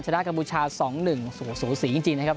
ชนะกระบุชา๒๑สูสูสีจริงนะครับ